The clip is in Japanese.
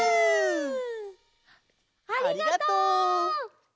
ありがとう！